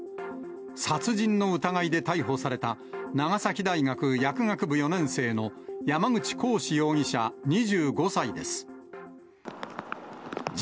殺人の疑いで逮捕された、長崎大学薬学部４年生の山口鴻志容疑者２５歳です。